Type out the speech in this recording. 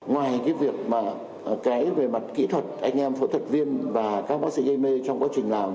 ngoài cái việc mà cái về mặt kỹ thuật anh em phẫu thuật viên và các bác sĩ gây mê trong quá trình làm